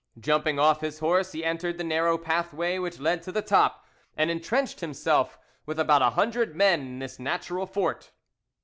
Jumping off his horse, he entered the narrow pathway which led to the top, and entrenched himself with about a hundred men in this natural fort.